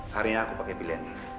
hari ini aku pake bilen